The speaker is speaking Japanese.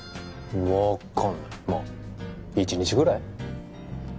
分かんないまあ１日ぐらい？